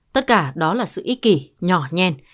tất cả đó là sự ý kỷ nhỏ nhen